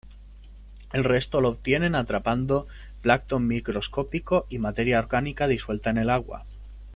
El resto lo obtienen atrapando plancton microscópico y materia orgánica disuelta en el agua.